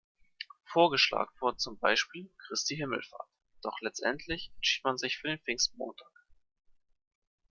Vorgeschlagen wurden zum Beispiel Christi Himmelfahrt, doch letztendlich entschied man sich für den Pfingstmontag.